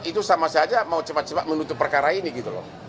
itu sama saja mau cepat cepat menutup perkara ini gitu loh